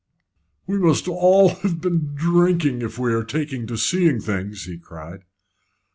"We must have all been drinking, if we are taking to seeing things," he cried.